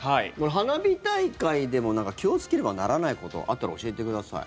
花火大会でも気をつけねばならないことあったら教えてください。